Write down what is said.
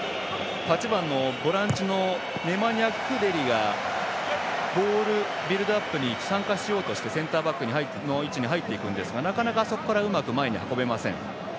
８番のボランチのネマニャ・グデリがボールビルドアップに参加しようとしてセンターバックの位置に入っていくんですがなかなか、そこからうまく前に運べません。